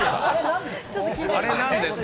あれ、何ですか？